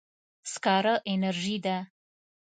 سکاره انرژي ده.